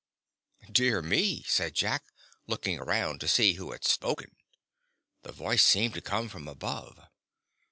"Dear me!" said Jack, looking around to see who had spoken. The voice seemed to come from above.